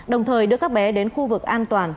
đồng thời đưa các bé đến khu vực an toàn